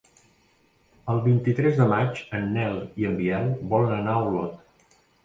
El vint-i-tres de maig en Nel i en Biel volen anar a Olot.